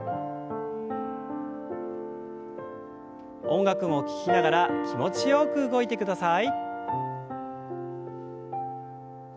音楽を聞きながら気持ちよく動いてください。